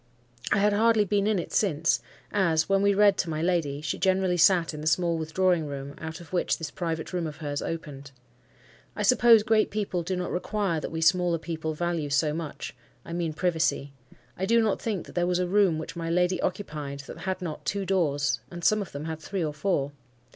I had hardly been in it since; as, when we read to my lady, she generally sat in the small withdrawing room out of which this private room of hers opened. I suppose great people do not require what we smaller people value so much,—I mean privacy. I do not think that there was a room which my lady occupied that had not two doors, and some of them had three or four.